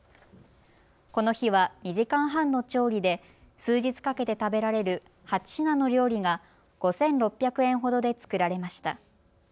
この日は２時間半の調理で数日かけて食べられる８品の料理が５６００円ほどで作られました。